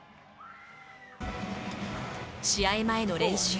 試合前の練習。